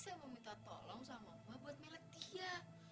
saya meminta tolong sama mbak buat melek dia